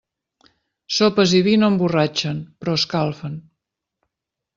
Sopes i vi no emborratxen, però escalfen.